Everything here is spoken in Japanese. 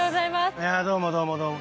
いやどうもどうもどうも。